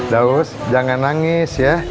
daud jangan nangis ya